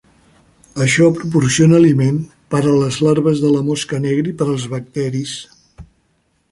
Això proporciona aliment per a les larves de la mosca negra i per als bacteris.